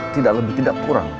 tidak lebih tidak kurang